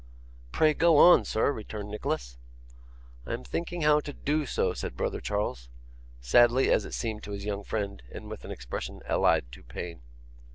'Pray go on, sir,' returned Nicholas. 'I am thinking how to do so,' said brother Charles; sadly, as it seemed to his young friend, and with an expression allied to pain.